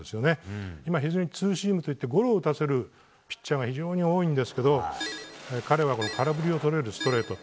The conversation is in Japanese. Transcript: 今、非常にツーシームといってゴロを打たせるピッチャーが非常に多いですが彼の空振りが取れるストレート。